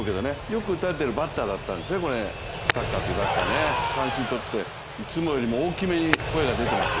よく打たれているバッターだったんですね、三振とって、いつもより大きめに声が出てます。